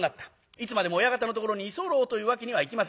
いつまでも親方のところに居候というわけにはいきません。